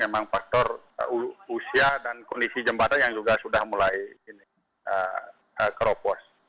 memang faktor usia dan kondisi jembatan yang juga sudah mulai keropos